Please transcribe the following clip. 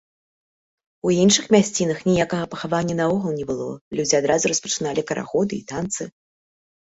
У іншых мясцінах ніякага пахавання наогул не было, людзі адразу распачыналі карагоды і танцы.